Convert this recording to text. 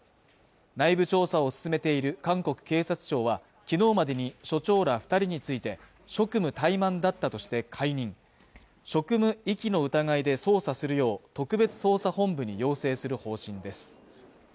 内部調査を進めている韓国警察庁はきのうまでに署長ら二人について職務怠慢だったとして解任職務遺棄の疑いで捜査するよう特別捜査本部に要請する方針です